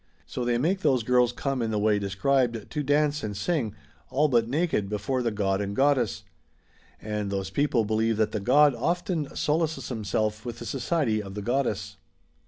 So they make those girls come in the way described, to dance and sing, all but naked, before the god and the goddess. And those people believe that the god often solaces himself with the society of the goddess.